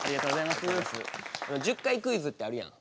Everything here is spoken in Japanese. １０回クイズってあるやん。